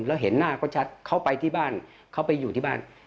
แล้วเห็นหน้าเขาชัดเขาไปที่บ้านเขาไปอยู่ที่บ้าน